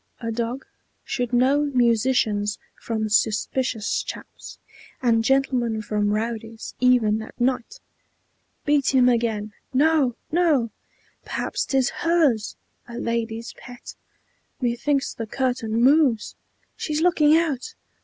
A dog Should know musicians from suspicious chaps, And gentlemen from rowdies, even at night!" "Beat him again!" "No, no! Perhaps 't is HERS! A lady's pet! Methinks the curtain moves! She's looking out!